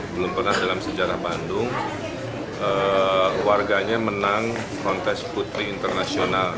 belum pernah dalam sejarah bandung warganya menang kontes putri internasional